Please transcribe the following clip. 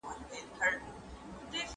د فرد افکار د ټولنې په اداره کې مهم دي.